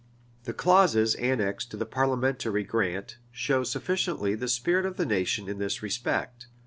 The clauses annexed to the parliamentary grant show sufficiently the spirit of the nation in this respect.